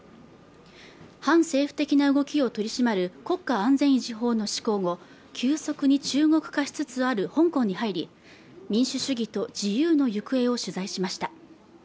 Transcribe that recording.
反政府的な動きを取り締まる国家安全維持法の施行後急速に中国化しつつある香港に入り民主主義と自由の行方を取材しました